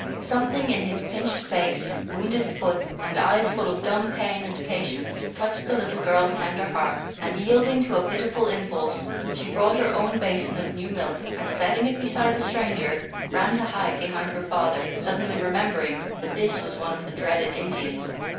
Something in his pinched face, wounded foot, and eyes full of dumb pain and patience, touched the little girl's tender heart, and, yielding to a pitiful impulse, she brought her own basin of new milk and, setting it beside the stranger, ran to hide behind her father, suddenly remembering that this was one of the dreaded Indians.